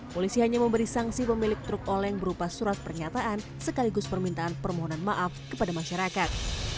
polisi hanya memberi sanksi pemilik truk oleng berupa surat pernyataan sekaligus permintaan permohonan maaf kepada masyarakat